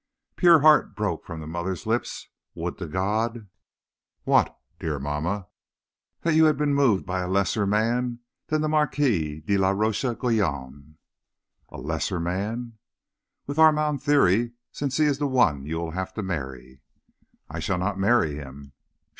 "Pure heart!" broke from the mother's lips. "Would to God " "What, dear mamma?" "That you had been moved by a lesser man than the Marquis de la Roche Guyon." "A lesser man?" "With Armand Thierry, since he is the one you will have to marry." "I shall not marry him."